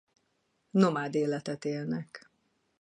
Nomád életet élnek.